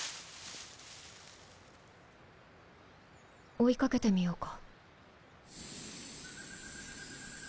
追いかけてみようか。